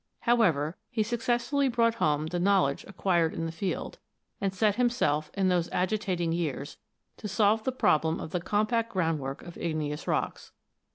However, he successfully brought home the know ledge acquired in the field, and set himself, in those agitating years, to solve the problem of the compact groundwork of igneous rocks.